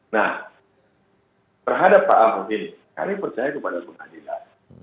nah terhadap pak ahok ini kami percaya kepada pengadilan